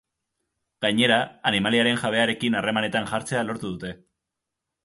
Gainera, animaliaren jabearekin harremanetan jartzea lortu dute.